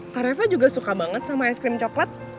kak reva juga suka banget sama ice cream coklat